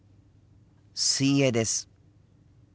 水泳です。